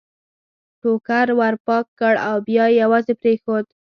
ټوکر ور پاک کړ او بیا یې یوازې پرېښود.